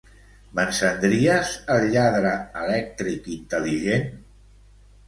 M'encendries el lladre elèctric intel·ligent?